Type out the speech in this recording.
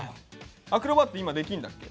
アクロバット今できんだっけ？